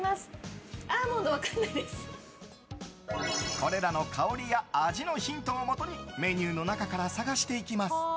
これらの香りや味のヒントをもとにメニューの中から探していきます。